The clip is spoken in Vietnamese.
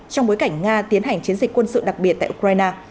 trong bối cảnh nga tiến hành chiến dịch quân sự đặc biệt tại ukraine